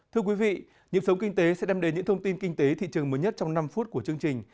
thưa quý vị nhiệm sống kinh tế sẽ đem đến những thông tin kinh tế thị trường mới nhất trong năm phút của chương trình